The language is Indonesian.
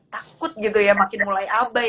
takut gitu ya makin mulai abai